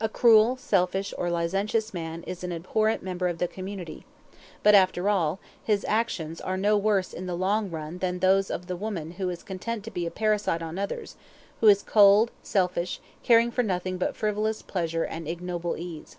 A cruel, selfish, or licentious man is an abhorrent member of the community; but, after all, his actions are no worse in the long run than those of the woman who is content to be a parasite on others, who is cold, selfish, caring for nothing but frivolous pleasure and ignoble ease.